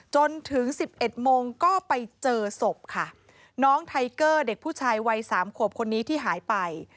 จนถึงสิบเอ็ดโมงก็ไปเจอศพค่ะน้องไทเกอร์เด็กผู้ชายวัยสามขวบคนนี้ที่หายไป